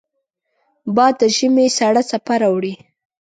باد د ژمې سړه څپه راوړي